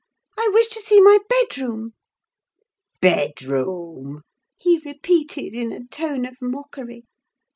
I wish to see my bed room." "Bed rume!" he repeated, in a tone of mockery.